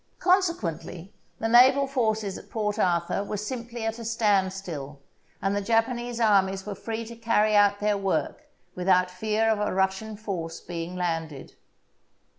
Consequently the naval forces at Port Arthur were simply at a standstill, and the Japanese armies were free to carry out their work without fear of a Russian force being landed.